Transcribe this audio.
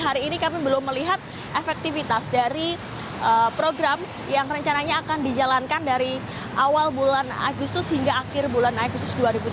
hari ini kami belum melihat efektivitas dari program yang rencananya akan dijalankan dari awal bulan agustus hingga akhir bulan agustus dua ribu delapan belas